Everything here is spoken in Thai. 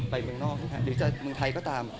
ไปเมืองนอกนะครับหรือเมืองไทยก็ตาม